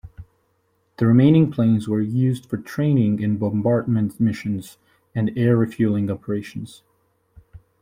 The remaining planes were used for training in bombardment missions and air refueling operations.